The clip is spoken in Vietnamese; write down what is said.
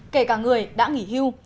kể cả người đã nghỉ hưu